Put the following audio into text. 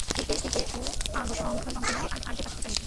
মসজিদে ও আরবদের সংখ্যালঘু সম্প্রদায়ে আরবি ভাষা প্রচলিত।